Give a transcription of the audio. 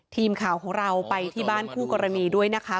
ทีมข่าวของเราไปที่บ้านคู่กรณีด้วยนะคะ